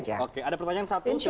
insya allah saya dapatkan yang baik